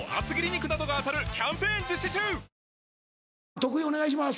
徳井お願いします。